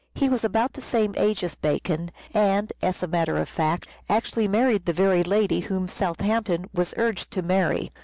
He was about the same age as Bacon, and as a matter of fact, actually married the very lady whom Southampton was urged to marry.